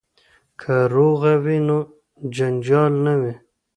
که روغه وي نو جنجال نه وي.